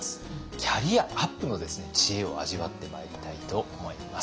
キャリアアップの知恵を味わってまいりたいと思います。